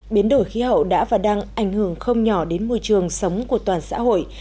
biến đổi khí hậu đã và đang ảnh hưởng không nhỏ đến môi trường sống của toàn xã hội